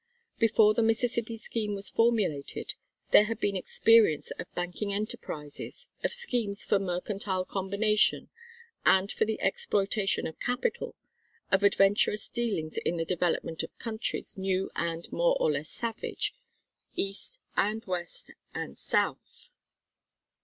Before his Mississippi Scheme was formulated, there had been experience of banking enterprises, of schemes for mercantile combination and for the exploitation of capital, of adventurous dealings in the developments of countries new and more or less savage, East and West and South.